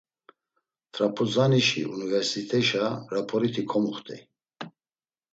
T̆rap̌uzanişi Unuverseteşa raporiti komuxt̆ey.